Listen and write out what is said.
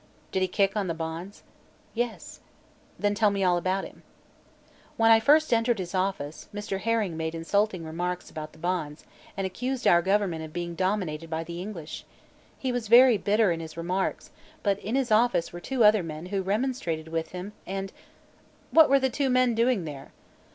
"Did he kick on the bonds?" "Yes." "Then tell me all about him." "When I first entered his office, Mr. Herring made insulting remarks about the bonds and accused our government of being dominated by the English. He was very bitter in his remarks, but in his office were two other men who remonstrated with him and " "What were the two men doing there?"